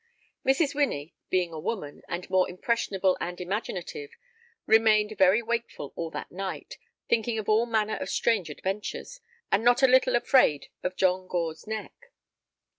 Mrs. Winnie, being a woman, and more impressionable and imaginative, remained very wakeful all that night, thinking of all manner of strange adventures, and not a little afraid of John Gore's neck.